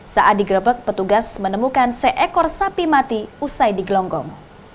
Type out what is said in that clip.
saat digerebek petugas menemukan seekor sapi mati usai digelonggong